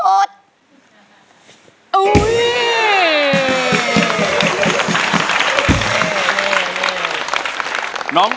ร้องได้ไข่ล้าง